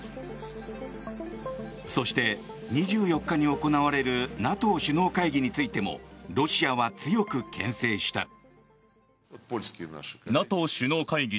そして、２４日に行われるＮＡＴＯ首脳会議についてもロシアは強く牽制した。